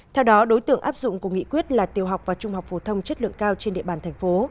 theo đó đối tượng áp dụng của nghị quyết là tiều học và trung học phổ thông chất lượng cao trên địa bàn thành phố